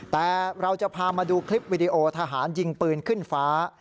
แต่เราจะพามาดูคลิปวิดีโอทหารยิงปืนขึ้นฟ้า